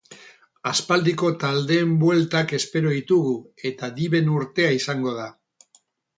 Aspaldiko taldeen bueltak espero ditugu eta diven urtea izango da.